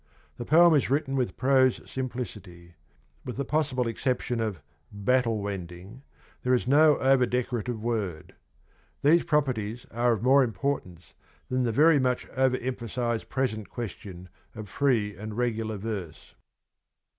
The poem is written with prose simplicity ; with the possible exception of ' battle wending ' there is no over decorative word. These properties are of more importance than the very much over emphasised present question of free and regular verse.